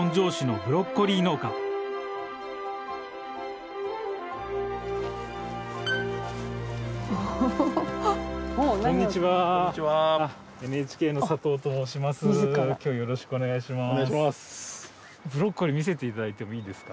ブロッコリー見せていただいてもいいですか？